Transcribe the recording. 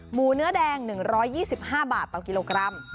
หมูเนื้อแดง๑๒๕บาทต่อกิโลกรัม